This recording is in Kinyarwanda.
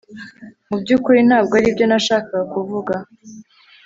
Mu byukuri ntabwo aribyo nashakaga kuvuga